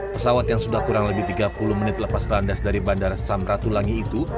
pesawat yang sudah kurang lebih tiga puluh menit lepas landas dari bandara samratulangi itu